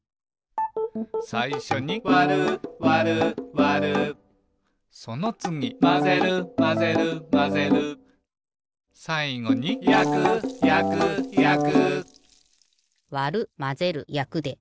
さいしょに「わるわるわる」そのつぎ「まぜるまぜるまぜる」さいごに「やくやくやく」わるまぜるやくで。